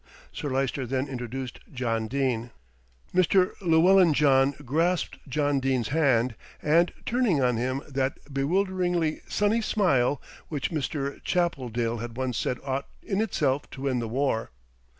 Sir Lyster then introduced John Dene. Mr. Llewellyn John grasped John Dene's hand, and turned on him that bewilderingly sunny smile which Mr. Chappeldale had once said ought in itself to win the war.